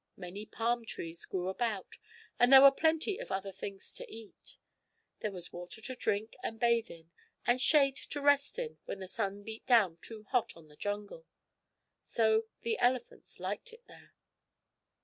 Many palm trees grew about, and there were plenty of other things to eat. There was water to drink and bathe in, and shade to rest in when the sun beat down too hot on the jungle. So the elephants liked it there.